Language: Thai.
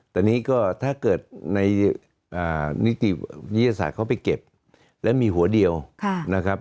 แต่นี่ก็ถ้าเกิดในนิติวิทยาศาสตร์เขาไปเก็บแล้วมีหัวเดียวนะครับ